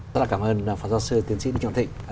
rất là cảm ơn phát giáo sư tiến sĩ đức trọng thịnh